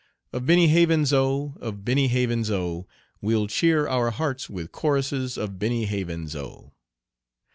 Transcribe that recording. Of Benny Havens' O, of Benny Havens' O, We'll cheer our hearts with choruses of Benny Havens' O.